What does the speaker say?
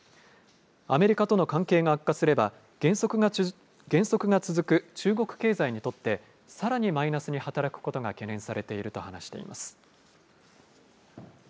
アメリカとの関係が悪化すれば、減速が続く中国経済にとって、さらにマイナスに働くことが懸念されていると話しています。